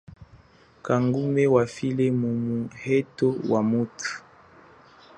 Kangumbe wafile mumu heto wamuthu.